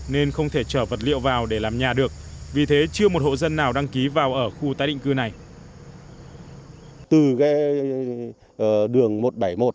nên không thể chở vật liệu vào để làm nhà được vì thế chưa một hộ dân nào đăng ký vào ở khu tái định cư này